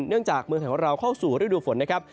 เนื่องจากเมืองไทยของเราเข้าสู่ฤดูฝนนะครับ